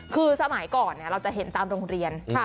คือสมัยก่อนเราจะเห็นตามโรงเรียน